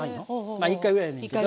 まあ１回ぐらいやねんけど。